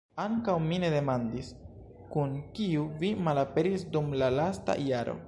Ankaŭ mi ne demandis, kun kiu vi malaperis dum la lasta jaro.